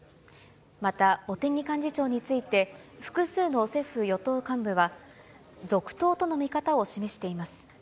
また茂木幹事長について、複数の政府・与党幹部は、続投との見方を示しています。